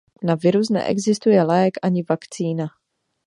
Na virus neexistuje lék ani vakcína.